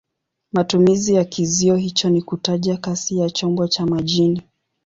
Matumizi ya kizio hicho ni kutaja kasi ya chombo cha majini.